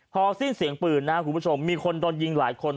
พอสิ้นเสียงปืนมีคนโดนยิงหลายคน